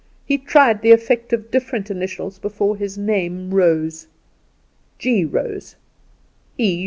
He tried the effect of different initials before the name Rose: G. Rose, E.